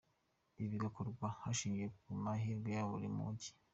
Ibi bigakorwa hashingiwe ku mahirwe ya buri mujyi.